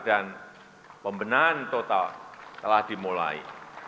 dan pembenahan total telah dimulai